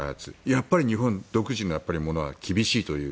やっぱり日本独自のものは厳しいという。